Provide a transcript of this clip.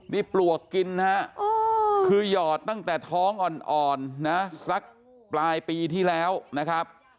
นี่ปลวกกินฮะคือหยอดตั้งแต่ท้องอ่อนนะสักปลายปีที่แล้วนะครับ